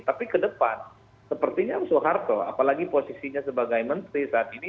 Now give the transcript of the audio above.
tapi ke depan sepertinya soeharto apalagi posisinya sebagai menteri saat ini